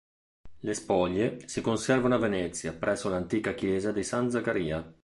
Le spoglie si conservano a Venezia presso l'antica chiesa di San Zaccaria.